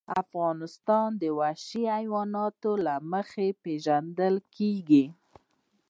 افغانستان د وحشي حیواناتو له مخې پېژندل کېږي.